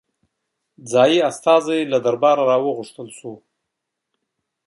محلي استازی له درباره راوغوښتل شو.